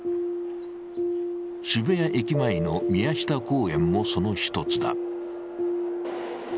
渋谷駅前の宮下公園もその１つだ。